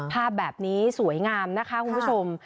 ภาพแบบนี้สวยงามนะคะคุณผู้ชม